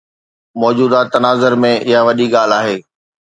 موجوده تناظر ۾ اها وڏي ڳالهه آهي.